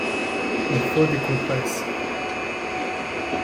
Il faut des compresses!